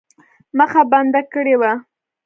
مخه بنده کړې وه.